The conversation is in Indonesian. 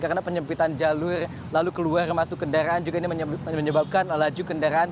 karena penyempitan jalur lalu keluar masuk kendaraan juga ini menyebabkan laju kendaraan